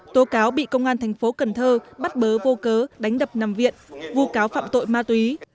tố cáo bị công an tp cn bắt bớ vô cớ đánh đập nằm viện vụ cáo phạm tội ma túy